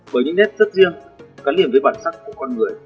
bởi những nét rất riêng cắn liền với bản sắc của con người